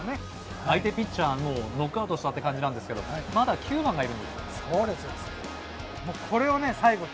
相手ピッチャーをノックアウトしたって感じなんですけどまだ９番がいるんです。